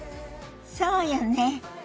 そうよね。